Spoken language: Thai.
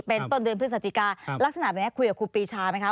เป็นต้นเดือนพฤศจิกาลักษณะแบบนี้คุยกับครูปีชาไหมคะ